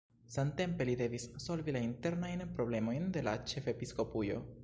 Samtempe li devis solvi la internajn problemojn de la ĉefepiskopujo.